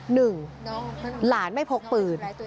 หนึ่งหลานไม่พกปืน